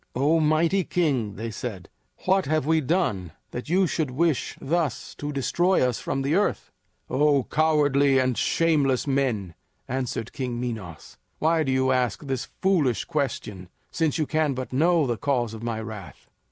"O mighty king," they said, "what have we done that you should wish thus to destroy us from the earth?" "O cowardly and shameless men," answered King Minos, "why do you ask this foolish question, since you can but know the cause of my wrath?